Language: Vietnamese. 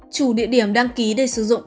chủ địa điểm đăng ký để sử dụng